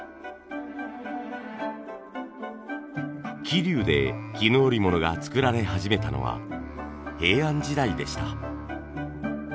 桐生で絹織物が作られ始めたのは平安時代でした。